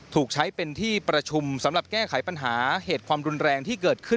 ถูกใช้เป็นที่ประชุมสำหรับแก้ไขปัญหาเหตุความรุนแรงที่เกิดขึ้น